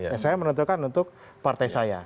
ya saya menentukan untuk partai saya